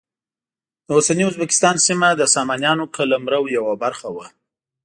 د اوسني ازبکستان سیمه د سامانیانو قلمرو یوه برخه وه.